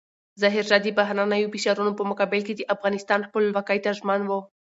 ظاهرشاه د بهرنیو فشارونو په مقابل کې د افغانستان خپلواکۍ ته ژمن و.